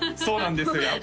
そうなんですよ